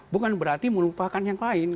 bukan berarti melupakan yang lain